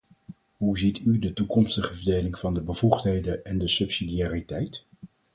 Hoe ziet u de toekomstige verdeling van de bevoegdheden en de subsidiariteit?